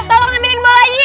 tolong temenin bola ini ya